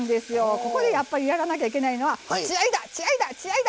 ここでやっぱりやらなきゃいけないのは血合いだ！